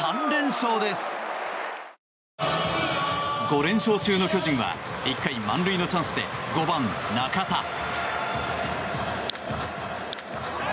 ５連勝中の巨人は１回、満塁のチャンスで５番、中田。